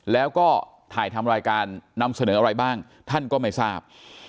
แล้วก็ถ่ายทำรายการนำเสนออะไรบ้างท่านก็ไม่ทราบ